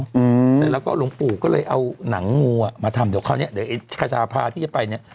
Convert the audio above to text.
อืมเสร็จแล้วก็หลวงปู่ก็เลยเอาหนังงูอ่ะมาทำเดี๋ยวคราวเนี้ยเดี๋ยวไอ้ขชาพาที่จะไปเนี้ย